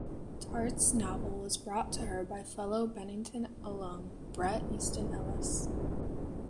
Tartt's novel was brought to her by fellow Bennington alum Bret Easton Ellis.